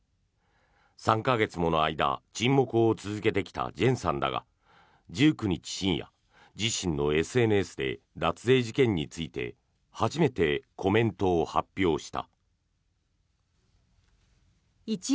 ３か月もの間沈黙を続けてきたジェンさんだが１９日深夜、自身のＳＮＳで脱税事件について初めてコメントを発表した。